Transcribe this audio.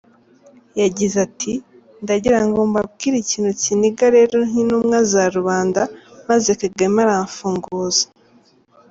Yagize ati “Ndagirango mbabwire ikintu kiniga rero nk’intumwa za rubanda, maze Kagame aramfunguza.